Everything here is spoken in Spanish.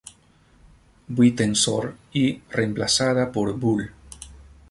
Buitenzorg" y reemplazada por "Bull.